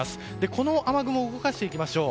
この雨雲を動かしていきましょう。